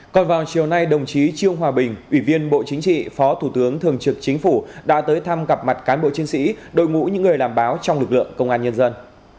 còn vào chiều nay đồng chí trương hòa bình ủy viên bộ chính trị phó thủ tướng thường trực chính phủ đã tới thăm gặp mặt cán bộ chiến sĩ đội ngũ những người làm báo trong lực lượng công an nhân dân